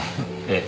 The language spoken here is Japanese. ええ。